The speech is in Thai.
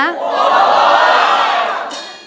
โอ้โห